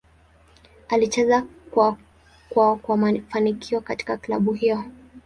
Alicheza kwa kwa mafanikio katika klabu hiyo.